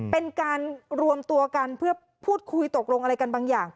เป็นการรวมตัวกันเพื่อพูดคุยตกลงอะไรกันบางอย่าง